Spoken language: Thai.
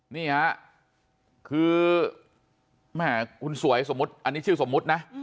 นี่ฮะคือแม่คุณสวยสมมุติอันนี้ชื่อสมมุตินะ